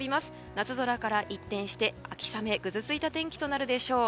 夏空から一転して秋雨ぐずついた天気となるでしょう。